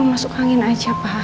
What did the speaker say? cuma masuk angin aja pa